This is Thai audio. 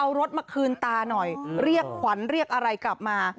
เอารถมาคืนตาหน่อยเรียกขวัญเรียกอะไรกลับมา